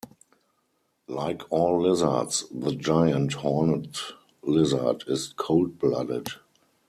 Like all lizards, the giant horned lizard is cold-blooded.